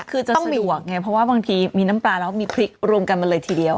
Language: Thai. คือจะสะดวกไงเพราะว่าบางทีมีน้ำปลาแล้วมีพริกรวมกันมาเลยทีเดียว